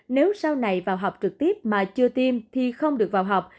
nếu sau này vào học trực tiếp mà chưa tiêm thì không được vào học